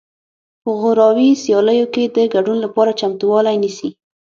په غوراوي سیالیو کې د ګډون لپاره چمتووالی نیسي